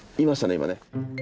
今ね。